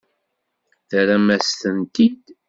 Terram-as-tent-id?